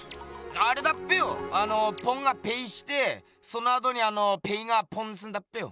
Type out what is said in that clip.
あれだっぺよあのポンがペイしてそのあとにあのペイがポンすんだっぺよ。